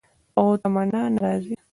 او تمنا نه راځي